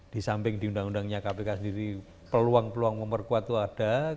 di samping di undang undangnya kpk sendiri peluang peluang memperkuat itu ada